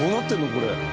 これ。